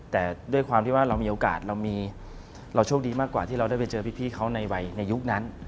แต่ด้วยความที่ว่าเรามีโอกาสเรามีเราโชคดีมากกว่าที่เราได้ไปเจอพี่เขาในวัยในยุคนั้น